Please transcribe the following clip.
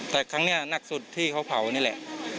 แต่ครั้งนี้หนักสุดที่เขาเผานี่แหละ